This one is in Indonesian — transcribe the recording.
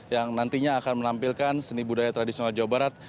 yang nantinya akan menampilkan seni budaya tradisional jawa barat